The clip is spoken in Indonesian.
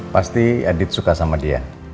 pasti adit suka sama dia